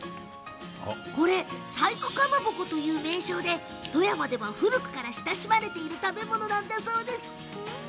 これ、細工かまぼこという名称で富山では古くから親しまれている食べ物なんだそうです。